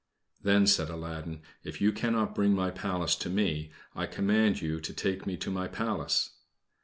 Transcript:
"Then," said Aladdin, "if you cannot bring my Palace to me, I command you to take me to my Palace."